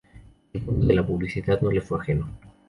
El mundo de la publicidad no le fue ajeno.